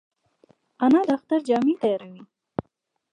انا د اختر جامې تیاروي